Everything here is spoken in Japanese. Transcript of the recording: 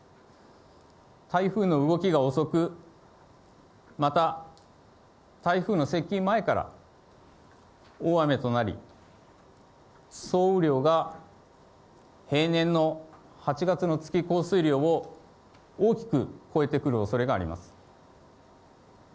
台風の動きが遅く、また台風の接近前から大雨となり、総雨量が平年の８月の月降水量を大きく超えてくるおそれがあります。